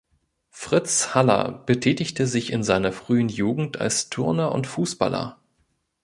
Fritz Haller betätigte sich in seiner frühen Jugend als Turner und Fußballer.